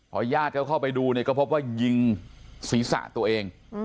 พอญาติเขาเข้าไปดูเนี่ยก็พบว่ายิงศีรษะตัวเอง